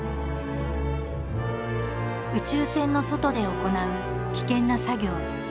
宇宙船の外で行う危険な作業。